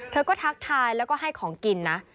เธอก็ทักทายแล้วก็ให้ของกินนะ